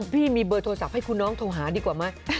พี่มีเบอร์โทรศัพท์ให้คุณน้องโทรหาดีกว่าไหม